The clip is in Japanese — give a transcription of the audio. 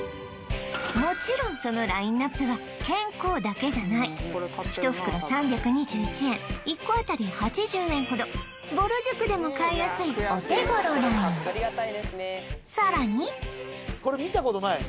もちろんそのラインナップは健康だけじゃない１袋３２１円１個あたり８０円ほどぼる塾でも買いやすいお手頃ラインさらにこんな見てください